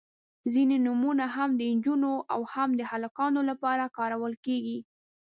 • ځینې نومونه هم د نجونو او هم د هلکانو لپاره کارول کیږي.